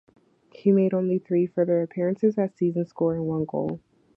He made only three further appearances that season, scoring one goal.